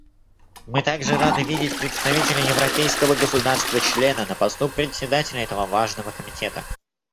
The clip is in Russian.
Мы также рады видеть представителя европейского государства-члена на посту Председателя этого важного комитета.